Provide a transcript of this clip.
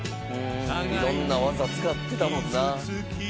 いろんな技使ってたもんな。